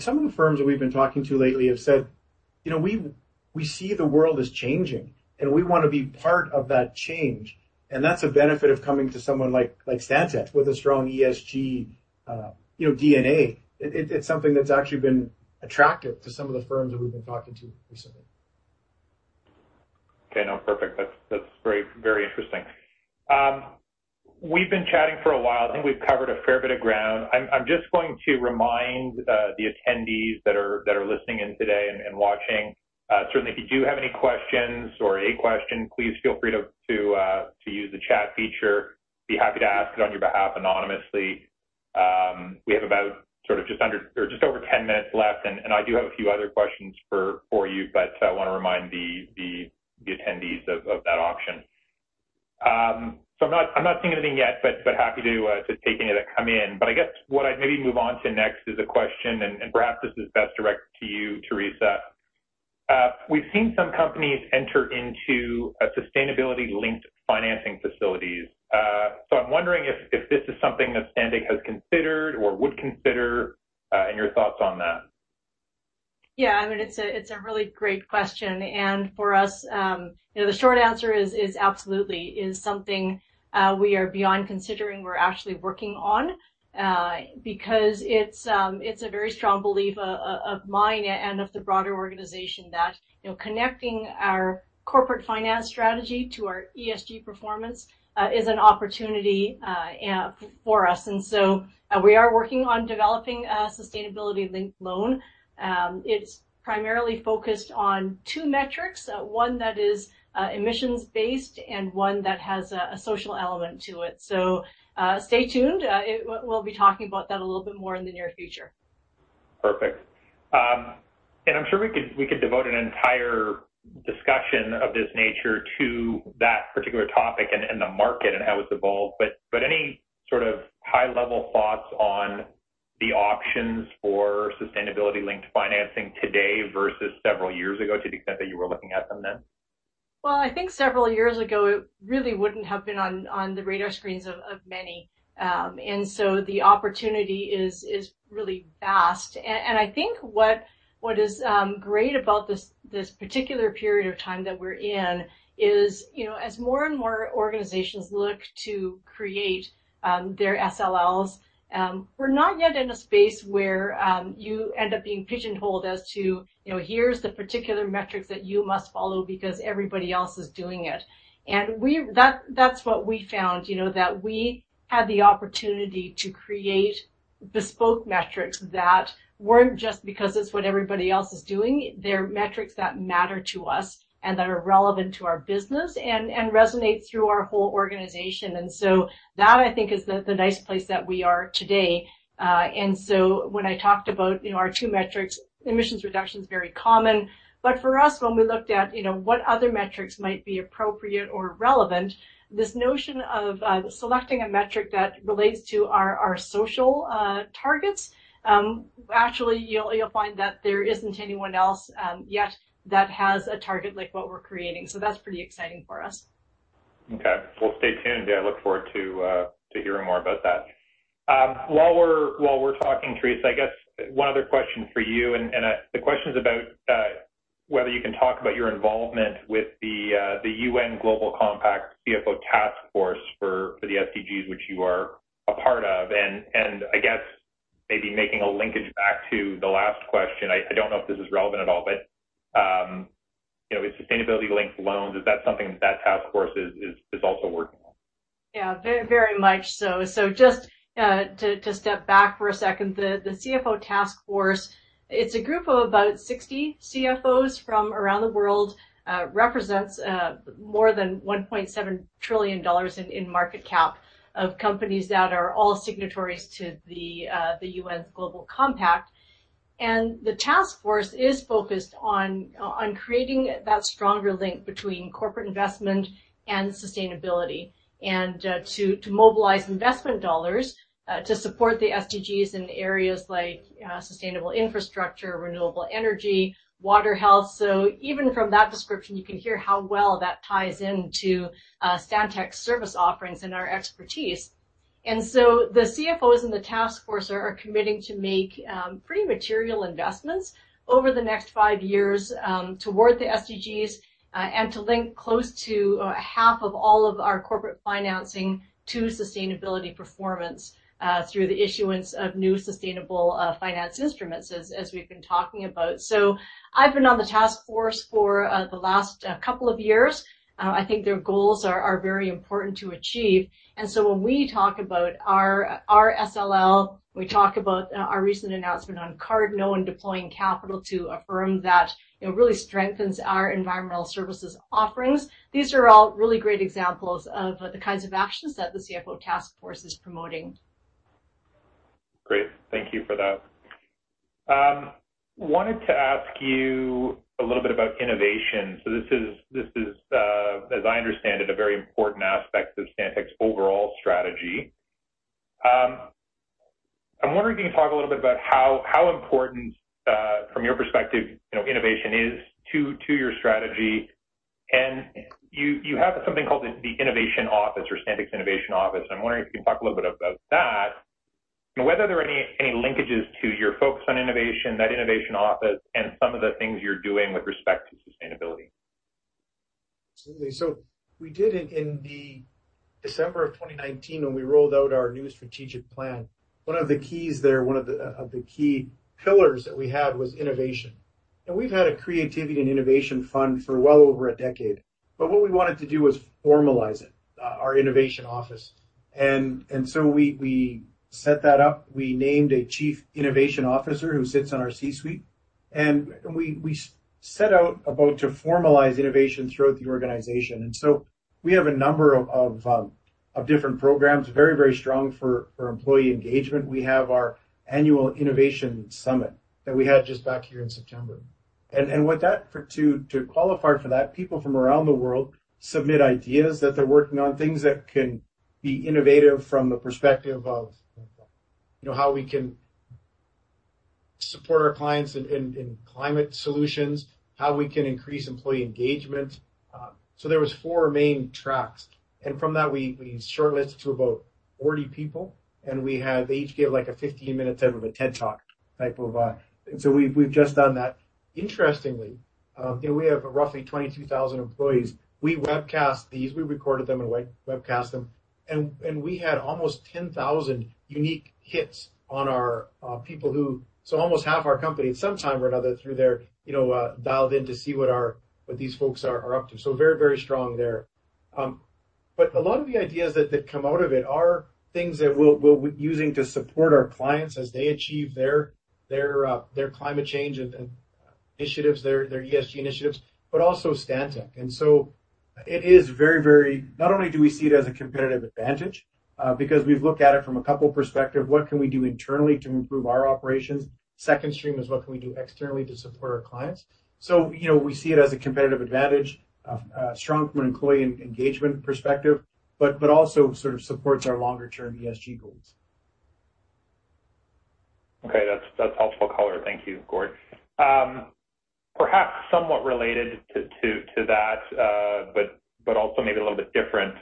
Some of the firms that we've been talking to lately have said, "You know, we see the world is changing, and we wanna be part of that change." That's a benefit of coming to someone like Stantec with a strong ESG, you know, DNA. It's something that's actually been attractive to some of the firms that we've been talking to recently. Okay. No, perfect. That's very interesting. We've been chatting for a while. I think we've covered a fair bit of ground. I'm just going to remind the attendees that are listening in today and watching, certainly if you do have any questions or a question, please feel free to use the chat feature. Be happy to ask it on your behalf anonymously. We have about sort of just under or just over 10 minutes left, and I do have a few other questions for you, but I wanna remind the attendees of that option. I'm not seeing anything yet, but happy to take any that come in. I guess what I'd maybe move on to next is a question, and perhaps this is best directed to you, Theresa. We've seen some companies enter into a sustainability-linked financing facilities. I'm wondering if this is something that Stantec has considered or would consider, and your thoughts on that. Yeah. I mean, it's a really great question. For us, you know, the short answer is absolutely. It is something we are beyond considering, we're actually working on, because it's a very strong belief of mine and of the broader organization that, you know, connecting our corporate finance strategy to our ESG performance is an opportunity for us. We are working on developing a sustainability-linked loan. It's primarily focused on two metrics, one that is emissions-based and one that has a social element to it. Stay tuned. We'll be talking about that a little bit more in the near future. Perfect. I'm sure we could devote an entire discussion of this nature to that particular topic and the market and how it's evolved. Any sort of high-level thoughts on the options for sustainability-linked financing today versus several years ago to the extent that you were looking at them then? Well, I think several years ago, it really wouldn't have been on the radar screens of many. The opportunity is really vast. I think what is great about this particular period of time that we're in is, you know, as more and more organizations look to create their SLLs, we're not yet in a space where you end up being pigeonholed as to, you know, here's the particular metrics that you must follow because everybody else is doing it. That's what we found, you know, that we had the opportunity to create bespoke metrics that weren't just because it's what everybody else is doing, they're metrics that matter to us and that are relevant to our business and resonate through our whole organization. That, I think, is the nice place that we are today. When I talked about, you know, our two metrics, emissions reduction is very common. But for us, when we looked at, you know, what other metrics might be appropriate or relevant, this notion of selecting a metric that relates to our social targets, actually you'll find that there isn't anyone else yet that has a target like what we're creating. That's pretty exciting for us. Okay. We'll stay tuned, and I look forward to hearing more about that. While we're talking, Theresa, I guess one other question for you. The question is about whether you can talk about your involvement with the UN Global Compact CFO Taskforce for the SDGs, which you are a part of. I guess maybe making a linkage back to the last question, I don't know if this is relevant at all, but you know, with sustainability-linked loans, is that something that taskforce is also working on? Yeah. Very much so. To step back for a second. The CFO Task Force, it's a group of about 60 CFOs from around the world, represents more than $1.7 trillion in market cap of companies that are all signatories to the UN Global Compact. The Task Force is focused on creating that stronger link between corporate investment and sustainability and to mobilize investment dollars to support the SDGs in areas like sustainable infrastructure, renewable energy, water, health. Even from that description, you can hear how well that ties into Stantec's service offerings and our expertise. The CFOs and the Task Force are committing to make pretty material investments over the next five-years toward the SDGs and to link close to half of all of our corporate financing to sustainability performance through the issuance of new sustainable finance instruments, as we've been talking about. I've been on the Task Force for the last couple of years. I think their goals are very important to achieve. When we talk about our SLL, we talk about our recent announcement on Cardno and deploying capital to acquire that, you know, really strengthens our environmental services offerings. These are all really great examples of the kinds of actions that the CFO Task Force is promoting. Great. Thank you for that. I wanted to ask you a little bit about innovation. This is, as I understand it, a very important aspect of Stantec's overall strategy. I'm wondering if you can talk a little bit about how important, from your perspective, you know, innovation is to your strategy. You have something called the innovation office or Stantec's innovation office. I'm wondering if you can talk a little bit about that and whether there are any linkages to your focus on innovation, that innovation office, and some of the things you're doing with respect to sustainability. Absolutely. We did it in December 2019 when we rolled out our new strategic plan. One of the key pillars that we had was innovation. We've had a creativity and innovation fund for well over a decade. What we wanted to do was formalize it, our innovation office. We set out to formalize innovation throughout the organization. We have a number of different programs, very strong for employee engagement. We have our annual innovation summit that we just had back here in September. To qualify for that, people from around the world submit ideas that they're working on, things that can be innovative from the perspective of, you know, how we can support our clients in climate solutions, how we can increase employee engagement. There was four main tracks. From that we shortlisted to about 40 people, and they each gave like a 15-minute type of a TED Talk type of. We've just done that. Interestingly, you know, we have roughly 22,000 employees. We webcast these. We recorded them and webcast them. We had almost 10,000 unique hits on our people who. Almost half our company at some time or another through there, you know, dialed in to see what these folks are up to. Very strong there. A lot of the ideas that come out of it are things that we're using to support our clients as they achieve their climate change initiatives, their ESG initiatives, but also Stantec. Not only do we see it as a competitive advantage because we've looked at it from a couple of perspectives, what can we do internally to improve our operations? Second stream is what can we do externally to support our clients? You know, we see it as a competitive advantage, strong from an employee engagement perspective, but also sort of supports our longer-term ESG goals. Okay. That's helpful color. Thank you, Gord. Perhaps somewhat related to that, but also maybe a little bit different.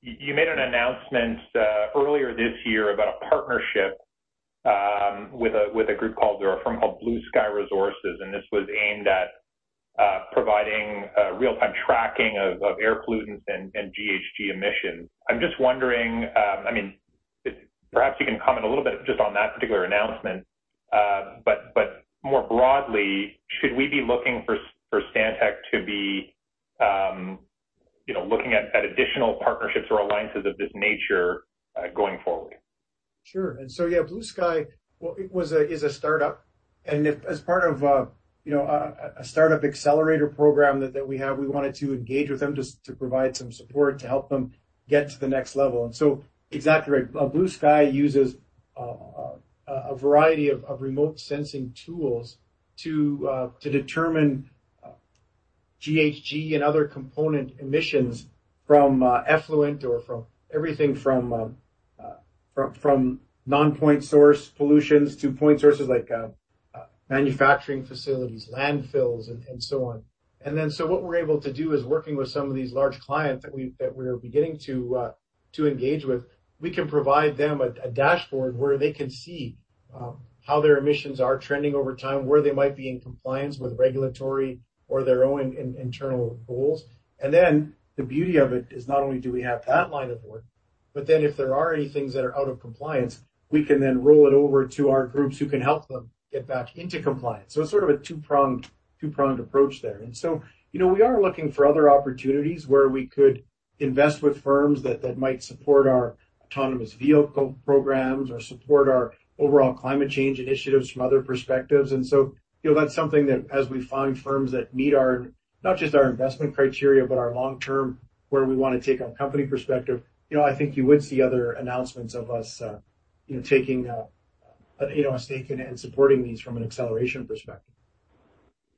You made an announcement earlier this year about a partnership with a group called or a firm called BlueSky Resources, and this was aimed at providing real-time tracking of air pollutants and GHG emissions. I'm just wondering, I mean, perhaps you can comment a little bit just on that particular announcement. But more broadly, should we be looking for Stantec to be, you know, looking at additional partnerships or alliances of this nature going forward? Sure. Yeah, BlueSky is a startup. If, as part of you know a startup accelerator program that we have, we wanted to engage with them just to provide some support to help them get to the next level. Exactly right. BlueSky uses a variety of remote sensing tools to determine GHG and other component emissions from effluent or from everything from non-point source pollution to point sources like manufacturing facilities, landfills, and so on. What we're able to do is working with some of these large clients that we're beginning to engage with, we can provide them a dashboard where they can see how their emissions are trending over time, where they might be in compliance with regulatory or their own internal goals. The beauty of it is not only do we have that line of work, but then if there are any things that are out of compliance, we can then roll it over to our groups who can help them get back into compliance. It's sort of a two-pronged approach there. You know, we are looking for other opportunities where we could invest with firms that might support our autonomous vehicle programs or support our overall climate change initiatives from other perspectives. You know, that's something that as we find firms that meet our, not just our investment criteria, but our long-term, where we wanna take our company perspective, you know, I think you would see other announcements of us, you know, taking, you know, a stake in it and supporting these from an acceleration perspective.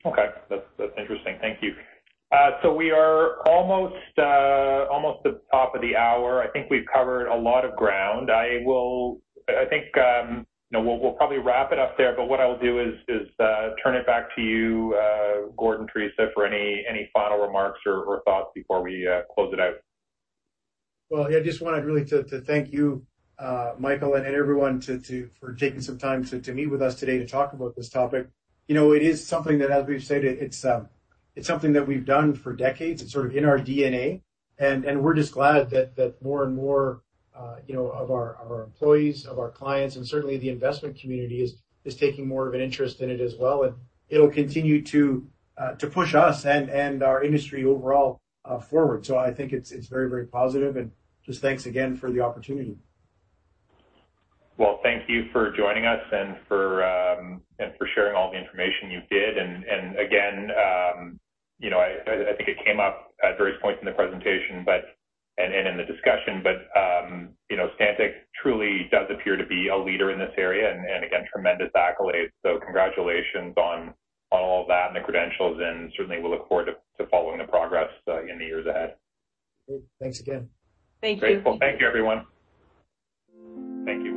Okay. That's interesting. Thank you. We are almost at the top of the hour. I think we've covered a lot of ground. I think you know, we'll probably wrap it up there, but what I'll do is turn it back to you, Gord, Theresa, for any final remarks or thoughts before we close it out. Well, yeah, I just wanted really to thank you, Michael, and everyone for taking some time to meet with us today to talk about this topic. You know, it is something that, as we've said, it's something that we've done for decades. It's sort of in our DNA. We're just glad that more and more, you know, of our employees, of our clients, and certainly the investment community is taking more of an interest in it as well. It'll continue to push us and our industry overall forward. I think it's very, very positive and just thanks again for the opportunity. Well, thank you for joining us and for sharing all the information you did. Again, you know, I think it came up at various points in the presentation, but in the discussion, you know, Stantec truly does appear to be a leader in this area, and again, tremendous accolades. Congratulations on all of that and the credentials, and certainly we look forward to following the progress in the years ahead. Great. Thanks again. Thank you. Grateful. Thank you, everyone. Thank you.